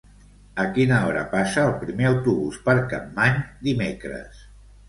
A quina hora passa el primer autobús per Capmany dimecres?